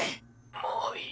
もういい。